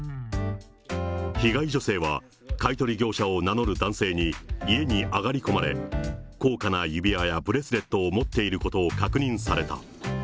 被害女性は、買い取り業者を名乗る男性に家に上がり込まれ、高価な指輪やブレスレットを持っていることを確認された。